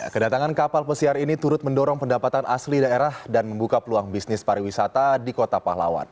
kedatangan kapal pesiar ini turut mendorong pendapatan asli daerah dan membuka peluang bisnis pariwisata di kota pahlawan